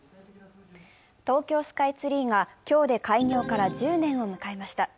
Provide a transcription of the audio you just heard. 東京スカイツリーが今日で開業から１０年を迎えました。